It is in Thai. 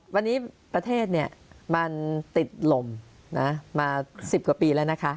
วันนี้ประเทศมันติดลมมา๑๐กว่าปีแล้วนะคะ